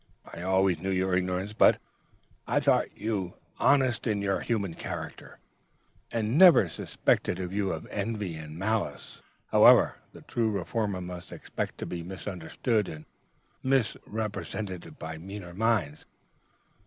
I always knew your ignorance, but I thought you honest in your human character. I never suspected you of envy and malice. However, the true Reformer must expect to be misunderstood and misrepresented by meaner minds.